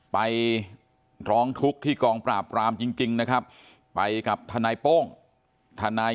ไปร้องทุกข์ที่กองปราบรามจริงนะครับไปกับทนายโป้งทนาย